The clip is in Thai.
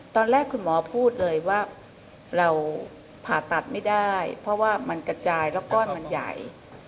ตอนแรกคุณหมอพูดเลยว่าเราผ่าตัดไม่ได้เพราะว่ามันกระจายแล้วก้อนมันใหญ่